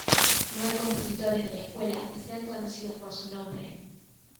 No hay compositores de la escuela que sean conocidos por su nombre.